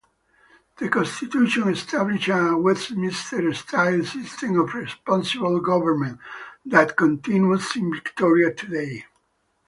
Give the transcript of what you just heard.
The Constitution established a Westminster-style system of responsible government that continues in Victoria today.